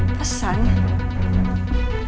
saya di babi sekarang wan